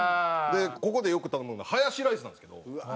ここでよく頼むのがハヤシライスなんですけど。